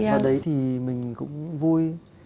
hồi đấy thì mình cũng vui